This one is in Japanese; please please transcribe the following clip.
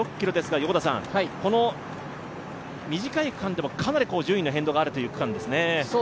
この短い区間でもかなり、順位の変動があるという区間ですね。